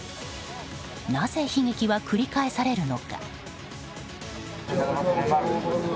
なぜ悲劇は繰り返されるのか。